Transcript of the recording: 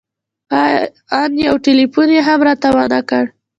ان يو ټېلفون يې هم راته ونه کړ.